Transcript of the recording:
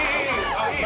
あっいい！